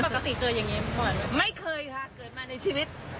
ปกติเจออย่างงี้มันเป็นไม่เคยค่ะเกิดมาในชีวิต